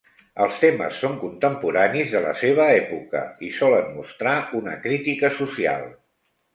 Els temes són contemporanis de la seva època i solen mostrar una crítica social.